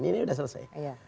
ini udah selesai